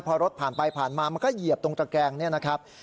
พอรถผ่านไปผ่านมามันก็เหยียบตรงตะแกงเนี่ยนะครับ